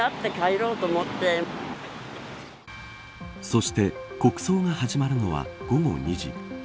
そして国葬が始まるのは午後２時。